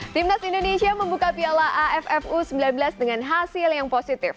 timnas indonesia membuka piala aff u sembilan belas dengan hasil yang positif